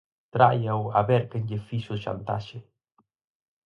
¡Tráiao a ver quen lle fixo chantaxe!